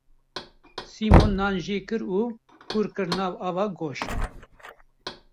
Sîmon nan jêkir û hûr kir nav ava goşt.